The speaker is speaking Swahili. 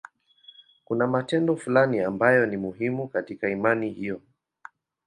Kuna matendo fulani ambayo ni muhimu katika imani hiyo.